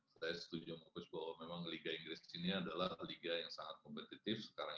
saya setuju mufus bahwa memang liga inggris ini adalah liga yang sangat kompetitif sekarang